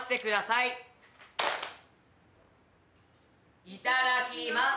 いただきます。